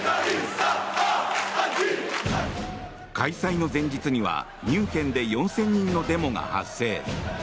開催の前日にはミュンヘンで４０００人のデモが発生。